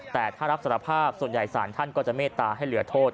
แต่ถ้ารับสารภาพส่วนใหญ่สารท่านก็จะเมตตาให้เหลือโทษ